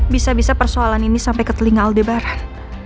bisa bisa persoalan ini sampai ke telinga aldebaran